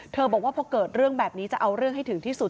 บอกว่าพอเกิดเรื่องแบบนี้จะเอาเรื่องให้ถึงที่สุด